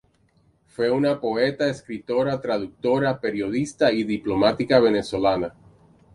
Fue una poeta, escritora, traductora, periodista y diplomática venezolana.